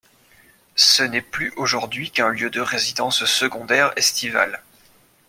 Ce n'est plus aujourd'hui qu'un lieu de résidences secondaires estivales.